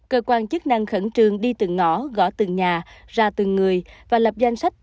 cơ quan chức năng khẩn trương đi từng ngõ gõ từng nhà ra từng người và lập danh sách